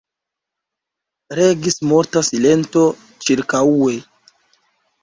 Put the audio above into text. Regis morta silento ĉirkaŭe.